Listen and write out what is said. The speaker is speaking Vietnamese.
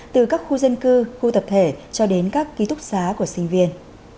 từ các khu dân cư khu tập thể cho đến các ký túc xá của sinh viên